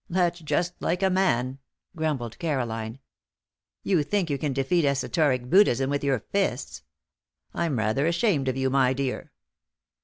"That's just like a man," grumbled Caroline. "You think you can defeat esoteric Buddhism with your fists. I'm rather ashamed of you, my dear."